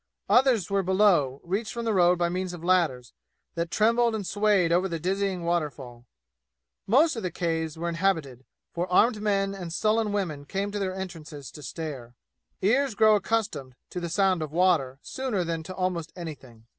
Others were below, reached from the road by means of ladders, that trembled and swayed over the dizzying waterfall. Most of the caves were inhabited, for armed men and sullen women came to their entrances to stare. Ears grow accustomed to the sound of water sooner than to almost anything.